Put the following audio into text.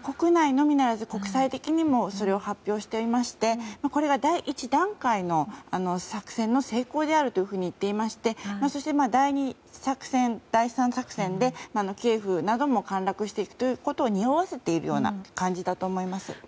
国内のみならず国際的にもそれを発表していましてこれが第１段階の作戦の成功であるというふうに言っていましてそして第２作戦、第３作戦でキエフなども陥落していくということをにおわせているような感じだと思います。